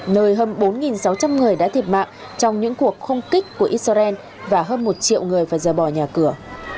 nơi hơn bốn sáu trăm linh người đã thiệt mạng trong những cuộc không kích của israel và hơn một triệu người phải rời bỏ nhà cửa